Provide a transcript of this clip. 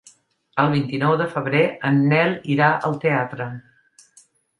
El vint-i-nou de febrer en Nel irà al teatre.